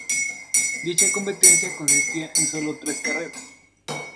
Dicha competencia consistía en sólo tres carreras.